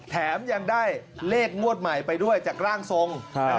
แถมยังได้เลขงวดใหม่ไปด้วยจากร่างทรง